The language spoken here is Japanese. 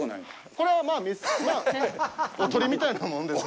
これは、まあ、おとりみたいなもんです。